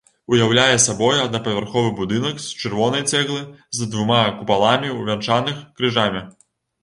Уяўляе сабой аднапавярховы будынак з чырвонай цэглы з двума купаламі, увянчаных крыжамі.